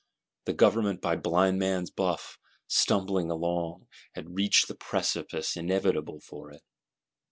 The Government by Blind man's buff, stumbling along, has reached the precipice inevitable for it.